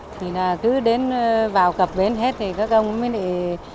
thì là cứ đến vào cập bến hết thì các ông mới lại